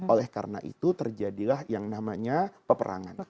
oleh karena itu terjadilah yang namanya peperangan